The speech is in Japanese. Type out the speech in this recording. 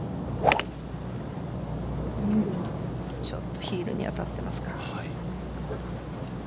ちょっとヒールに当たっていますか。